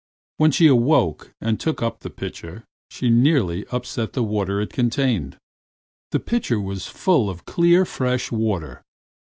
When she awoke and took up the pitcher she nearly upset the water it contained. The pitcher was full of clear, fresh water.